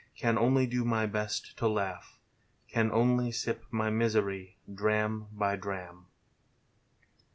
Can only do my best to laugh. Can only sip my misery dram by dram.